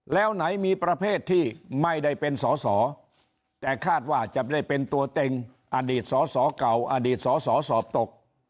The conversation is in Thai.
แล้วไหนมีประเภทที่ไม่ได้เป็นสอสอแต่คาดว่าจะได้เป็นตัวเต็งอดีตสอสอเก่าอดีตสสสอบตก